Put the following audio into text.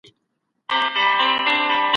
دا نقشه په رنګونو کښل سوي ده.